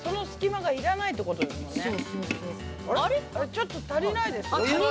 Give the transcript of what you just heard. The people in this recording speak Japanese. ちょっと足りないですよ。